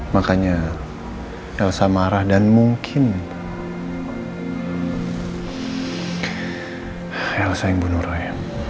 makanya elsa marah dan mungkin elsa yang bunuh roy